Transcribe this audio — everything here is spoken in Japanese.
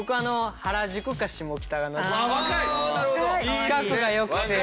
近くがよくて。